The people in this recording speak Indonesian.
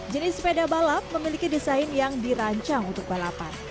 jenis sepeda balap memiliki desain yang dirancang untuk balapan